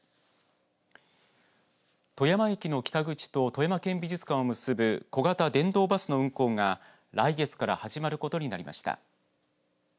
富山駅の北口と富山県美術館を結ぶ小型電動バスの運行が来月から始まることになりました。